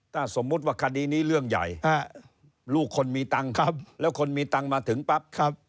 ถ้าสมมุติว่าคดีนี้เรื่องใหญ่ลูกคนมีตังค์ครับแล้วคนมีตังค์มาถึงปั๊บ